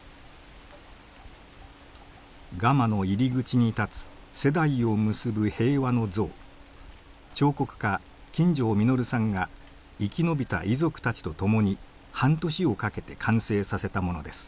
ガマの入り口にたつ彫刻家金城実さんが生き延びた遺族たちと共に半年をかけて完成させたものです。